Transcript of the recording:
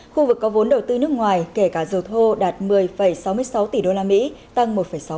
khu vực có vốn đầu tư nước ngoài kể cả dầu thô đạt một mươi sáu mươi sáu tỷ usd tăng một sáu